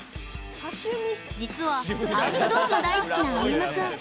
実はアウトドアも大好きなあゆむ君。